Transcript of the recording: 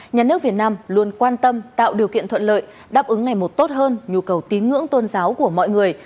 nhà nước việt nam luôn quan tâm tạo điều kiện thuận lợi đáp ứng ngày một tốt hơn nhu cầu tín ngưỡng tôn giáo của mọi người